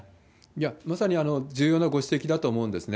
まさに重要なご指摘だと思いますね。